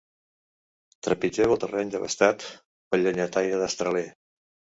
Trepitgeu el terreny devastat pel llenyataire destraler.